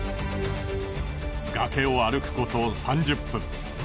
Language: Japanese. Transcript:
崖を歩くこと３０分。